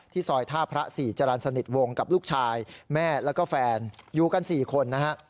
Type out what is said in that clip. ซอยท่าพระ๔จรรย์สนิทวงกับลูกชายแม่แล้วก็แฟนอยู่กัน๔คนนะฮะ